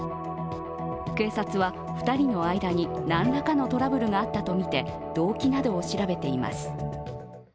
警察は、２人の間に何らかのトラブルがあったとみて動機などを調べています。